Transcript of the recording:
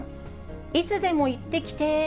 いつでも言ってきてー。